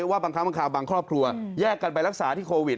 ว่าบางครั้งบางคราวบางครอบครัวแยกกันไปรักษาที่โควิด